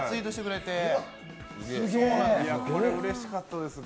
これ、うれしかったですね。